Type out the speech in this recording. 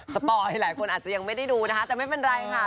สปอยหลายคนอาจจะยังไม่ได้ดูนะคะ